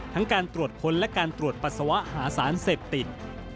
การตรวจค้นและการตรวจปัสสาวะหาสารเสพติด